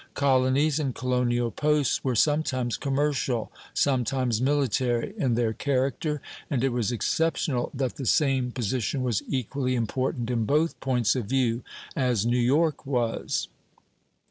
Colonies and colonial posts were sometimes commercial, sometimes military in their character; and it was exceptional that the same position was equally important in both points of view, as New York was.